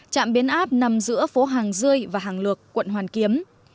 trạm biến áp nằm giữa phố hàng dươi và hàng lược quận hoàn kiếm